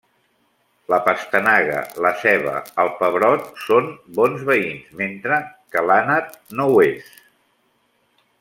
La pastanaga, la ceba, el pebrot són bons veïns, mentre que l'anet no ho és.